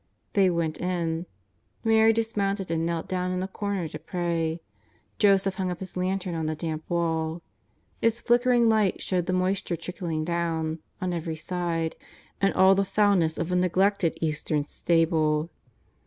They went in. Mary dismounted and knelt down in a corner to pray. Joseph hung up his lantern on the damp wall. Its flickering light showed the moisture trickling dovm. on every side, and all the foulness of a neglected Eastern stable.